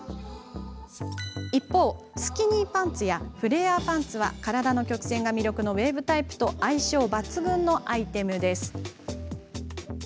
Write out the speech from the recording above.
一方、スキニーパンツやフレアパンツは体の曲線が魅力のウエーブタイプと相性抜群のアイテムです。